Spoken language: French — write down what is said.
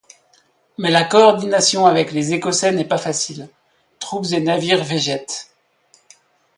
Mais la coordination avec les Écossais n'est pas facile, troupes et navires végètent.